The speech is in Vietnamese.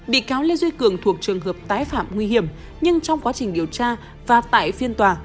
bị cáo lê duy cường thuộc trường hợp tái phạm nguy hiểm nhưng trong quá trình điều tra và tại phiên tòa